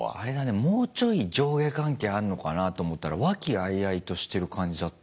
もうちょい上下関係あんのかなと思ったら和気あいあいとしてる感じだったね。